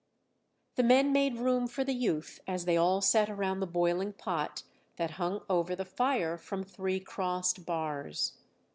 The men made room for the youth as they all sat around the boiling pot that hung over the fire from three crossed bars.